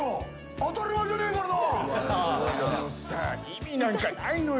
あのさ意味なんかないのよ